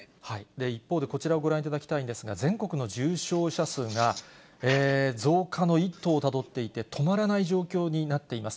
一方で、こちらをご覧いただきたいんですが、全国の重症者数が増加の一途をたどっていて、止まらない状況になっています。